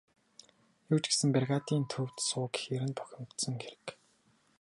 Юу ч гэсэн бригадын төвд суу гэхээр нь бухимдсан хэрэг.